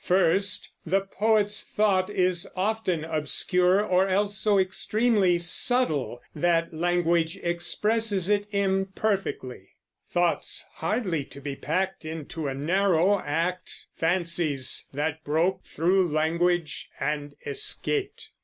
First, the poet's thought is often obscure, or else so extremely subtle that language expresses it imperfectly, Thoughts hardly to be packed Into a narrow act, Fancies that broke through language and escaped.